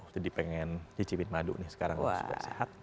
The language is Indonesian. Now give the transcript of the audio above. jadi pengen nyicipin madu nih sekarang supaya sehat